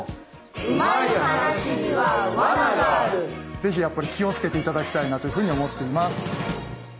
ぜひ気をつけて頂きたいなというふうに思っています。